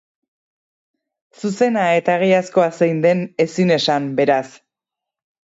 Zuzena eta egiazkoa zein den ezin esan, beraz.